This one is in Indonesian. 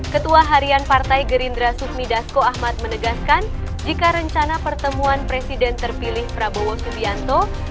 ketua harian partai gerindra sufmi dasko ahmad menegaskan jika rencana pertemuan presiden terpilih prabowo subianto